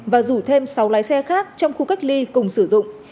và rủ thêm sáu lái xe khác trong khu cách ly cùng sử dụng